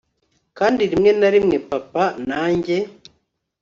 kandi rimwe na rimwe papa na njye